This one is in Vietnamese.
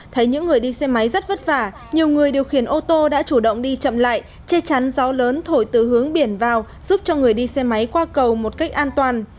thấy những người đi xe máy rất vất vả nhiều người điều khiển ô tô đã chủ động đi chậm lại che chắn gió lớn thổi từ hướng biển vào giúp cho người đi xe máy qua cầu một cách an toàn